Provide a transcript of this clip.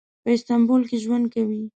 په استانبول کې ژوند کوي.